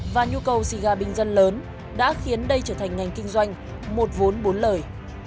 và nhu cầu siga bình dân lớn đã khiến đây trở thành ngành kinh doanh một vốn bốn lời